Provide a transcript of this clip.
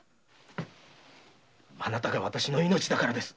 あなたがわたしの命だからです。